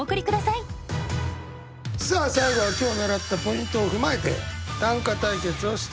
さあ最後は今日習ったポイントを踏まえて短歌対決をしたいと思います。